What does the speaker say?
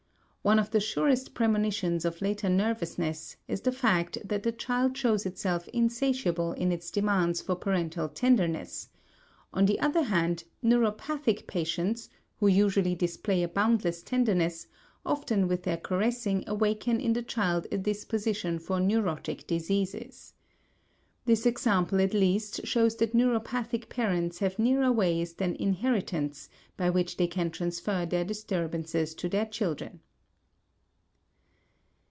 One of the surest premonitions of later nervousness is the fact that the child shows itself insatiable in its demands for parental tenderness; on the other hand, neuropathic parents, who usually display a boundless tenderness, often with their caressing awaken in the child a disposition for neurotic diseases. This example at least shows that neuropathic parents have nearer ways than inheritance by which they can transfer their disturbances to their children.